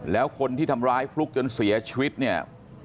แล้วคนที่ทำร้ายฟลุ๊กจนเสียชีวิตเนี่ย